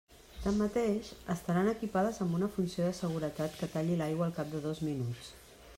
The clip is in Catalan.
Tanmateix, estaran equipades amb una funció de seguretat que talli l'aigua al cap de dos minuts.